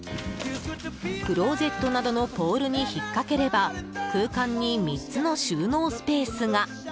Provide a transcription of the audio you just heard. クローゼットなどのポールに引っ掛ければ空間に３つの収納スペースが。